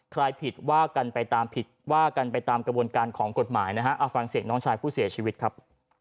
ใครผิดว่ากันไปตามผิดว่ากันไปตามกระบวนการของกฎหมายนะฮะเอาฟังเสียงน้องชายผู้เสียชีวิตครับ